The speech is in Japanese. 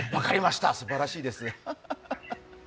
すばらしいです。